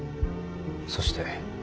そして。